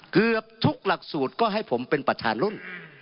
เกือบทุกหลักสูตรก็ให้ผมเป็นประธานรุ่น